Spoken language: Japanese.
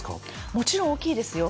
もちろん大きいですよ。